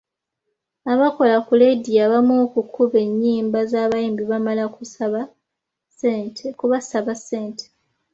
Abakola ku leediyo abamu okukuba ennyimba z’abayimbi bamala kubasaba ssente.